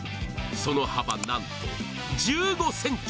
その幅なんと１５ｃｍ！